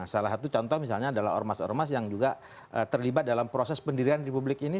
salah satu contoh misalnya adalah ormas ormas yang juga terlibat dalam proses pendirian republik ini